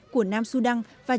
là cầu sáng tạo sáng tạo